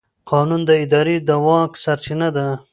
قانون د ادارې د واک سرچینه ده.